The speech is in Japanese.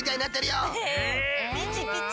ピチピチ。